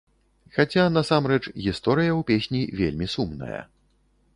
Хаця, насамрэч, гісторыя ў песні вельмі сумная.